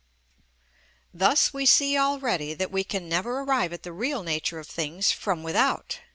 Thus we see already that we can never arrive at the real nature of things from without.